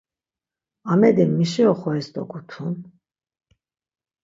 Amedi mişi oxoris dogutun?